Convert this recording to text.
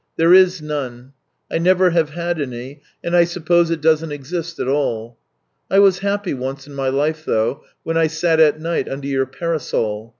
" There is none. I never have had any, and I suppose it doesn't exist at all. I was happy once in my life, though, when I sat at night under your parasol.